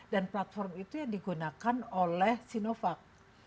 dan platform itu yang digunakan oleh sinovac